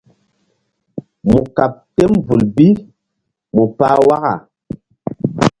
Mu kaɓ tem vul bi mu pah waka.